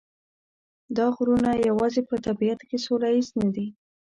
دا غرونه یوازې په طبیعت کې سوله ییز نه دي.